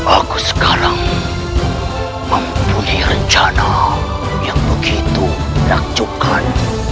aku sekarang mempunyai rencana yang begitu menakjubkan